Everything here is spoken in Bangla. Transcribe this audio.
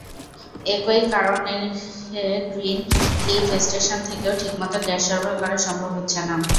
একই কারণেগ্রিন লিফ স্টেশন থেকেও ঠিকমতো গ্যাস সরবরাহ করা সম্ভব হচ্ছে না।